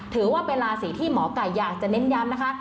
ถือว่าเป็นราศีที่หมอไก่อยากจะเน้นย้ำนะคะ